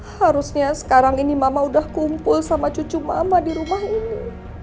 harusnya sekarang ini mama udah kumpul sama cucu mama di rumah ini